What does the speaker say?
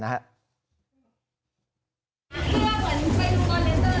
เขาคิดว่าเหมือนไปดูบอลเลสเตอร์